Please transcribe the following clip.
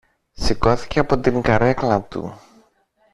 Σηκώθηκε από την καρέκλα του